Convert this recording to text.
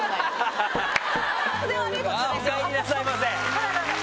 あぁおかえりなさいませ！